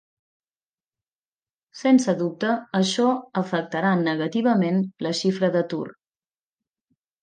Sense dubte, això afectarà negativament la xifra d’atur.